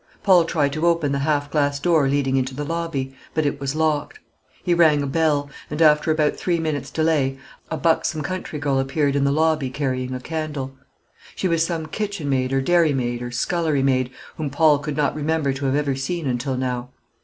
Paul tried to open the half glass door leading into the lobby; but it was locked. He rang a bell; and after about three minutes' delay, a buxom country girl appeared in the lobby carrying a candle. She was some kitchenmaid or dairymaid or scullerymaid, whom Paul could not remember to have ever seen until now.